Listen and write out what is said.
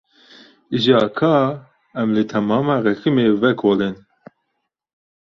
Îja ka em li temama resimê vekolin.